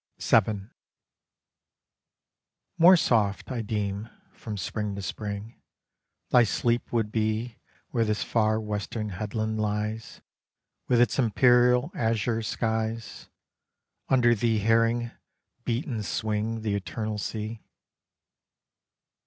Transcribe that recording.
VII More soft, I deem, from spring to spring, Thy sleep would be Where this far western headland lies With its imperial azure skies, Under thee hearing beat and swing The eternal sea.